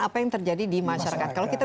apa yang terjadi di masyarakat kalau kita